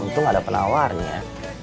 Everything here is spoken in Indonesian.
untung ada penawarnya